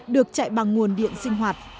được chạy bằng nguồn điện sinh hoạt